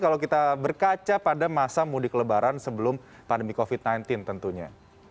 kalau kita berkaca pada masa mudik lebaran sebelum pandemi covid sembilan belas tentunya